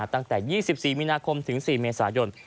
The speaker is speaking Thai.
ตั้งแต่๒๔มีนาคมถึง๔เมษายน